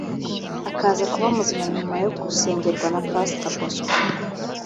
akaza kuba muzima nyuma yo gusengerwa na Pastor Bosco